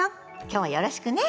今日はよろしくね。